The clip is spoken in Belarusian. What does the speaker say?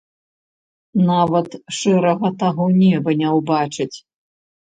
Нават шэрага таго неба не ўбачыць.